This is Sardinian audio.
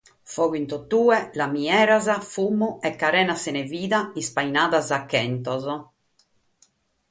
Fogu in totue, lamieras, fumu e carenas sena vida ispainadas a chentos.